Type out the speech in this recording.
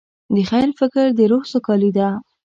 د خیر فکر د روح سوکالي ده.